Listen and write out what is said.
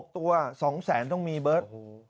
๖ตัว๒แสนต้องมีเบิร์ต